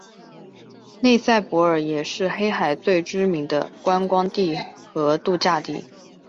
内塞伯尔也是黑海最知名的观光地和度假地。